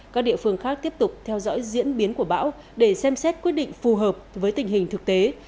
các địa phương khác tiếp tục theo dõi diễn biến của bão để xem xét quyết định phù hợp với tình hình thực tế